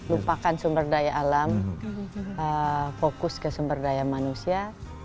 lupakan sumber daya alam fokus ke sumber daya manusia